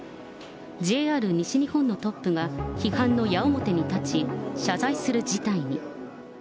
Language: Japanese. ＪＲ西日本のトップが批判の矢面に立ち、謝罪する事態に。